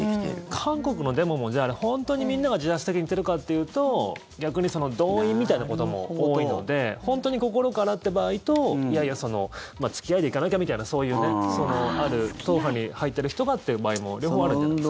韓国のデモもあれ、本当にみんなが自発的にやってるかっていうと逆に動員みたいなことも多いので本当に心からって場合といやいや付き合いで行かなきゃみたいなそういう、ある党派に入ってる人がっていう場合も両方あるんじゃないですか。